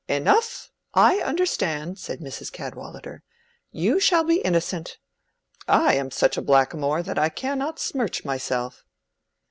"Enough! I understand,"—said Mrs. Cadwallader. "You shall be innocent. I am such a blackamoor that I cannot smirch myself."